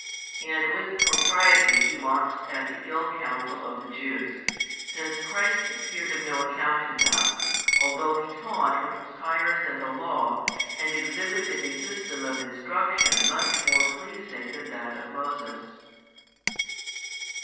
And with propriety he mocks at the ill counsel of the Jews, since Christ appeared of no account to them, although He taught what was higher than the Law, and exhibited a system of instruction much more pleasing than that of Moses.